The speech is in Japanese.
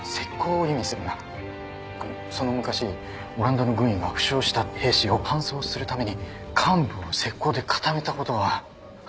その昔オランダの軍医が負傷した兵士を搬送するために患部を石こうで固めたことが始まりらしい。